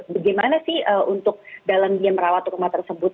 bagaimana sih untuk dalam dia merawat rumah tersebut